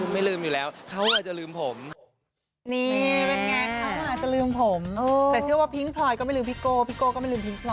เต็มแล้วรักดีป่ะก็ค่ะ